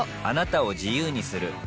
あなたを自由にする